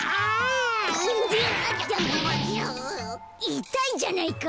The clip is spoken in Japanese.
いたいじゃないか！